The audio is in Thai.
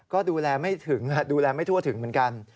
ก็ดูแลไม่ถั่วถึงเหมือนกัน